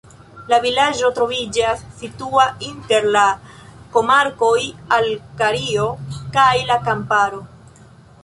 La vilaĝo troviĝas situa inter la komarkoj Alkario kaj la Kamparo.